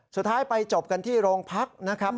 สุดท้ายไปจบกันที่โรงพักนะครับ